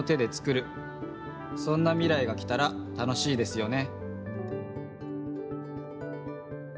そんな未来が来たら楽しいですよね。